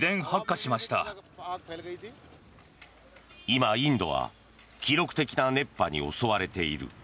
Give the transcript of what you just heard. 今、インドは記録的な熱波に襲われている。